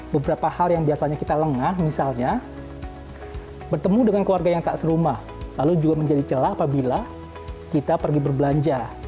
beberapa hal yang biasanya kita lengah misalnya bertemu dengan keluarga yang tak serumah lalu juga menjadi celah apabila kita pergi berbelanja